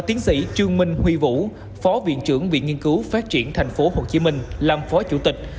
tiến sĩ trương minh huy vũ phó viện trưởng viện nghiên cứu phát triển tp hcm làm phó chủ tịch